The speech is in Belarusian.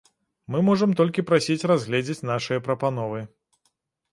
Мы можам толькі прасіць разгледзець нашыя прапановы.